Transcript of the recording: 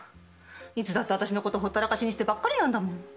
いつだって私のことほったらかしにしてばっかりなんだもん。